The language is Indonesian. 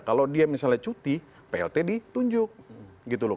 kalau dia misalnya cuti plt ditunjuk gitu loh